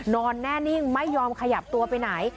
นอนแน่นิ่งไม่ยอมขยับตัวไปไหน